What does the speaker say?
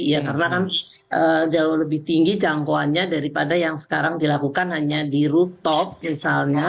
karena kan jauh lebih tinggi jangkauannya daripada yang sekarang dilakukan hanya di rooftop misalnya